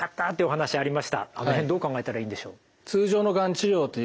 あの辺どう考えたらいいんでしょう？